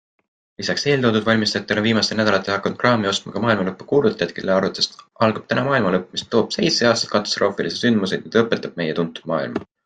Lisaks eeltoodud valmistujatele on viimastel nädalatel hakanud kraami ostma ka maailmalõpu kuulutajad, kelle arvates algab täna maailmalõpp, mis toob seitse aastat katastroofilisi sündmuseid ja lõpetab meile tuntud maailma.